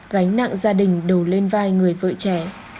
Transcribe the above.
gánh nặng gia đình đổ lên vai người vợ trẻ